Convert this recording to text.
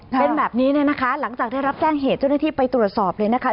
เป็นแบบนี้เนี่ยนะคะหลังจากได้รับแจ้งเหตุเจ้าหน้าที่ไปตรวจสอบเลยนะคะ